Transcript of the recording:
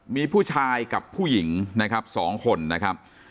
มีผู้ชายกับผู้หญิงนะครับ๒คนนะครับ